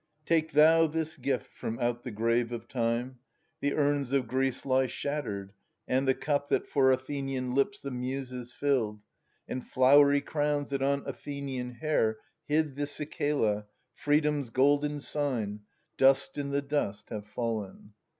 Take thou this gift from out the grave of Time. The urns of Greece he shattered, and the cup That for Athenian hps the Muses filled, And flowery crowns that on Athenian hair Hid the cicala, freedom's golden sign. Dust in the dust have fallen.